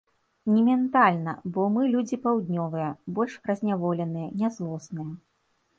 Ні ментальна, бо мы людзі паўднёвыя, больш разняволеныя, нязлосныя.